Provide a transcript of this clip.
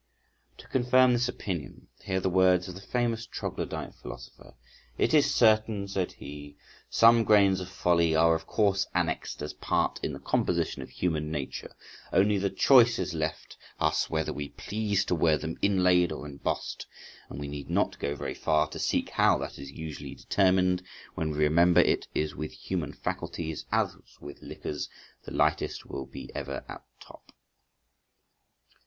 To confirm this opinion, hear the words of the famous troglodyte philosopher. "It is certain," said he, "some grains of folly are of course annexed as part in the composition of human nature; only the choice is left us whether we please to wear them inlaid or embossed, and we need not go very far to seek how that is usually determined, when we remember it is with human faculties as with liquors, the lightest will be ever at the top."